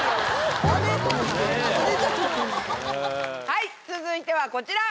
はい続いてはこちら。